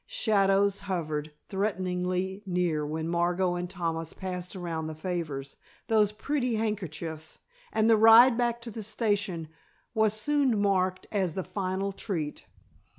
Shadows hovered threateningly near when Margot and Thomas passed around the favors, those pretty handkerchiefs, and the ride back to the station was soon marked as the final treat.